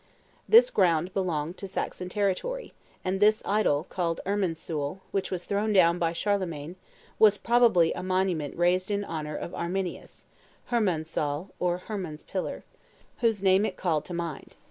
This ground belonged to Saxon territory; and this idol, called Irminsul, which was thrown down by Charlemagne, was probably a monument raised in honor of Arminius (Herrmann Saule, or Herrmann's pillar), whose name it called to mind.